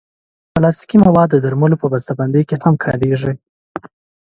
پلاستيکي مواد د درملو په بستهبندۍ کې هم کارېږي.